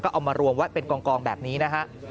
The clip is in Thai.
เอามารวมไว้เป็นกองแบบนี้นะฮะ